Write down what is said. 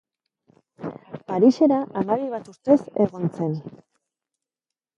Parisera hamabi bat urtez egon zen.